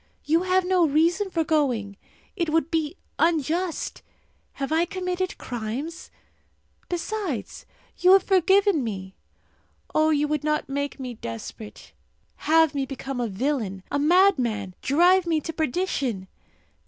You have no reason for going! It would be unjust! Have I committed crimes? Besides, you have forgiven me. Oh, you would not make me desperate have me become a villain, a madman, drive me to perdition?